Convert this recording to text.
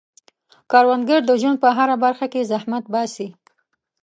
کروندګر د ژوند په هره برخه کې زحمت باسي